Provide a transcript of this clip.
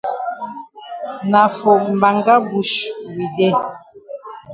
Na for mbanga bush we dey.